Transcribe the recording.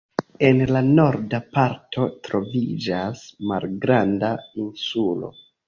En la norda parto troviĝas malgranda insulo.